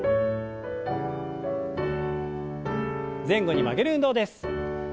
前後に曲げる運動です。